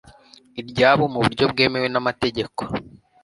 iryabo mu buryo bwemewe n'amategeko